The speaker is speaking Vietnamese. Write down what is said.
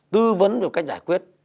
tư vấn về cách giải quyết